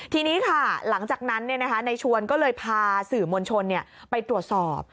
ทีนี้ค่ะหลังจากนั้นในชวนก็เลยพาสื่อมวลชนไปตรวจสอบ